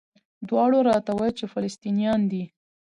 دواړو راته وویل چې فلسطینیان دي.